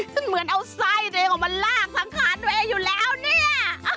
ซึ่งเหมือนเอาไส้ตัวเองออกมาลากสังขารตัวเองอยู่แล้วเนี่ย